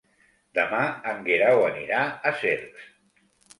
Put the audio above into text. Demà en Guerau anirà a Cercs.